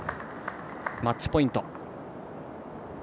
マッチポイント。